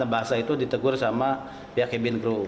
bahasa itu ditegur sama pihak cabin crew